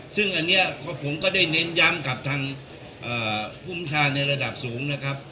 ซึ่งอันนี้ผมก็ได้เน้นย้ำกับทางภูมิชาในระดับสูงนะครับ